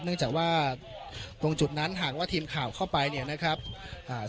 เนื่องจากว่าตรงจุดนั้นหากว่าทีมข่าวเข้าไปเนี่ยนะครับอ่า